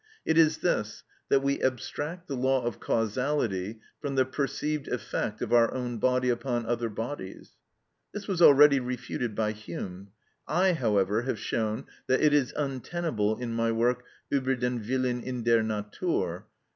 It is this, that we abstract the law of causality from the perceived effect of our own body upon other bodies. This was already refuted by Hume. I, however, have shown that it is untenable in my work, "Ueber den Willen in der Natur" (p.